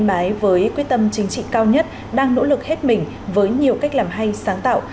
mãi với quyết tâm chính trị cao nhất đang nỗ lực hết mình với nhiều cách làm hay sáng tạo